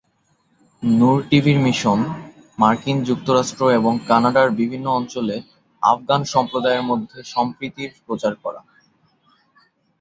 নূর টিভির মিশন মার্কিন যুক্তরাষ্ট্র এবং কানাডার বিভিন্ন অঞ্চলে আফগান সম্প্রদায়ের মধ্যে সম্প্রীতির প্রচার করা।